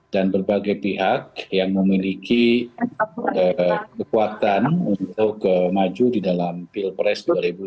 dan berbagai pihak yang memiliki kekuatan untuk maju dalam pilpres dua ribu dua puluh empat